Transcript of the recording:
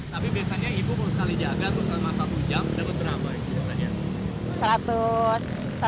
tapi biasanya ibu mau sekali jaga tuh selama satu jam dapat berapa biasanya